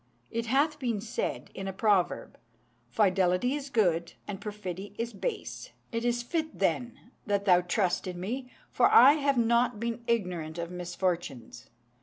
It hath been said in a proverb, 'Fidelity is good, and perfidy is base.' It is fit, then, that thou trust in me, for I have not been ignorant of misfortunes.